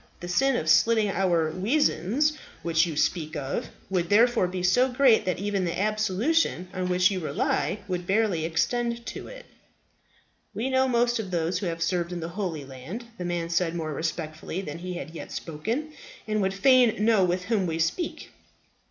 The sin of slitting our weazands, which you speak of, would therefore be so great that even the absolution on which you rely would barely extend to it." "We know most of those who have served in the Holy Land," the man said more respectfully than he had yet spoken, "and would fain know with whom we speak."